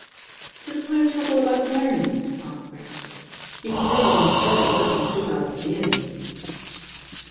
"But why trouble about marrying?" asked Beres ford. "You can rub along fairly well on two thou sand a year."